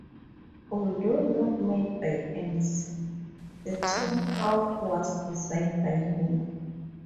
Although not made by Emerson, the tomahawk was designed by him.